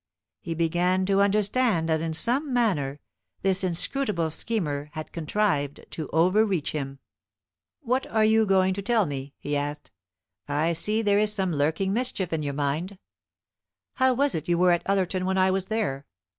He began to understand that in some manner this inscrutible schemer had contrived to overreach him. "What are you going to tell me?" he asked. "I see there is some lurking mischief in your mind. How was it you were at Ullerton when I was there?